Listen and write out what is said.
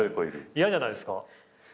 嫌じゃないですか？